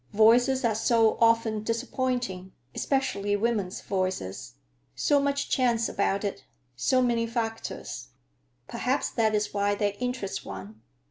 Voices are so often disappointing; especially women's voices. So much chance about it, so many factors." "Perhaps that is why they interest one.